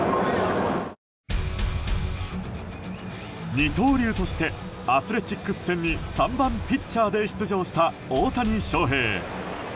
二刀流としてアスレチックス戦に３番ピッチャーで出場した大谷翔平。